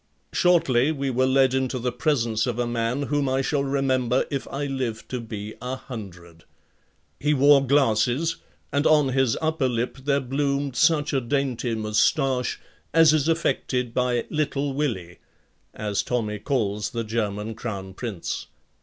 Shortly, we were led into the presence of a man whom I shall remember if I live to be a hundred. He wore glasses and on his upper lip there bloomed such a dainty moustache as is affected by "Little Willie" as Tommy calls the German Crown Prince.